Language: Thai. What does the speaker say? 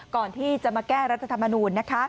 ก่อนที่จะมาแก้รัฐธรรมนู